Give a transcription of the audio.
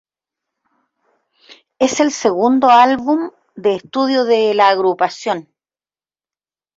Es el segundo álbum de estudio de la agrupación.